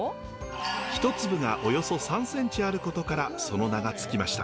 一粒がおよそ３センチあることからその名が付きました。